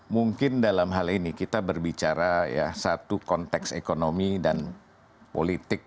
mungkin dalam hal ini kita berbicara satu konteks ekonomi dan politik